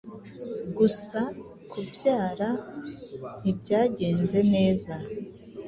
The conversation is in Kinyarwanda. gusa kubyara ntibyagenze neza